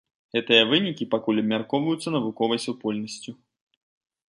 Гэтыя вынікі пакуль абмяркоўвацца навуковай супольнасцю.